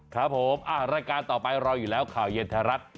ครับผมรายการต่อไปรออยู่แล้วข่าวเย็นไทยรัฐ